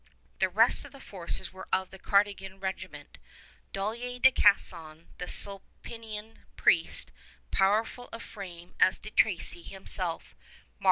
The rest of the forces were of the Carignan Regiment. Dollier de Casson, the Sulpician priest, powerful of frame as De Tracy himself, marched as chaplain.